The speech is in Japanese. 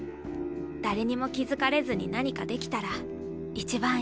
誰にも気付かれずに何かできたら一番いい。